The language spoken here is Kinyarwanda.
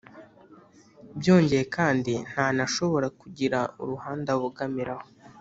byongeye, ntanashobora kugira uruhande abogamiraho